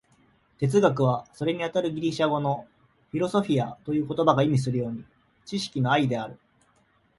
哲学は、それにあたるギリシア語の「フィロソフィア」という言葉が意味するように、知識の愛である。